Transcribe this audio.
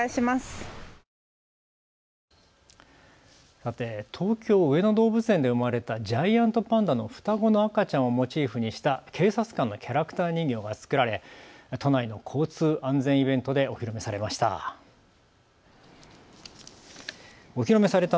さて、東京上野動物園で生まれたジャイアントパンダの双子の赤ちゃんをモチーフにした警察官のキャラクター人形が作られ、都内の交通安全イベントでお披露目されました。